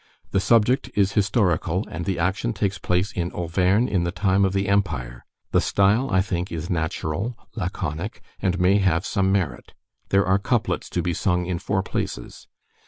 The subject is historical, and the action takes place in Auvergne in the time of the Empire; the style, I think, is natural, laconic, and may have some merit. There are couplets to be sung in four places.